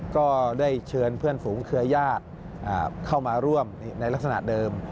ก็ได้เชิญเพื่อนฝูงเครือญาติเข้ามาร่วมในลักษณะเดิม